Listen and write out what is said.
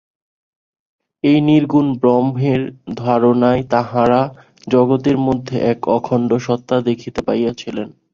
এই নির্গুণ ব্রহ্মের ধারণায় তাঁহারা জগতের মধ্যে এক অখণ্ড সত্তা দেখিতে পাইয়াছিলেন।